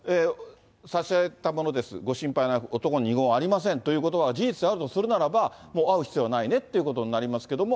差し上げたものです、ご心配なく、男に二言はありませんということが事実であるとするならば、会う必要はないねっていうことになりますけど。